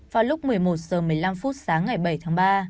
vào lúc một mươi một h một mươi năm phút sáng ngày bảy tháng ba